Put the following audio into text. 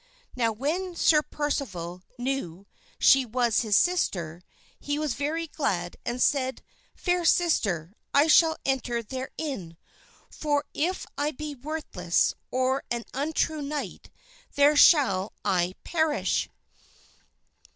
Now, when Sir Percival knew she was his sister, he was very glad and said, "Fair sister, I shall enter therein, for if I be worthless, or an untrue knight, there shall I perish."